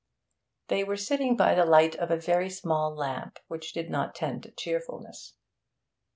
They were sitting by the light of a very small lamp, which did not tend to cheerfulness.